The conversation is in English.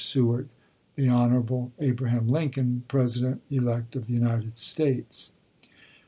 Seward. ms. The Hon. Abraham Lincoln, President elect of the United States.